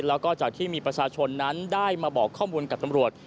แล้วก็จากที่มีประชาชนนั้นได้มาบอกข้อมูลกับตำรวจ